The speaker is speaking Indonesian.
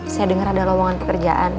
saya denger ada lowangan pekerjaan